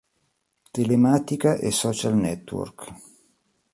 Telematica e Social Network.